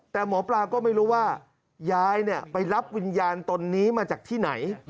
แต่หมอปลาก็ไม่รู้ว่ายายไปรับวิญญาณตนนี้มาจากที่ไหน